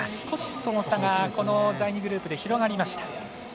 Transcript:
少し、その差が第２グループで広がりました。